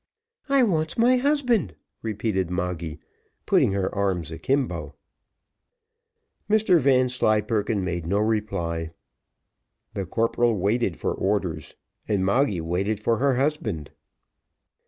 "I wants my husband," repeated Moggy, putting her arms a kimbo. Mr Vanslyperken made no reply. The corporal waited for orders, and Moggy waited for her husband.